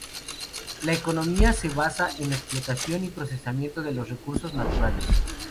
La economía se basa en la explotación y procesamiento de los recursos naturales.